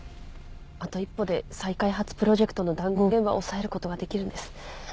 あと一歩で再開発プロジェクトの談合現場を押さえることができるんです。